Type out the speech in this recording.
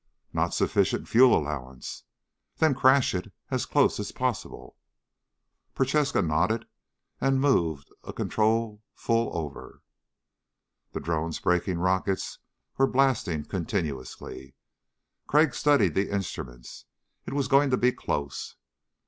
"Not sufficient fuel allowance." "Then crash it as close as possible." Prochaska nodded and moved a control full over. The drone's braking rockets were blasting continuously. Crag studied the instruments. It was going to be close.